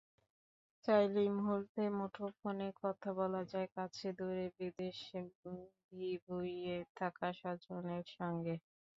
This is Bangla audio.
চাইলেই মহূর্তে মুঠোফোনে কথা বলা যায় কাছে-দূরে, বিদেশ-বিভুঁইয়ে থাকা স্বজনের সঙ্গে।